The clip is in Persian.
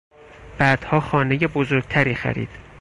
بعدها خانهی بزرگتری خرید.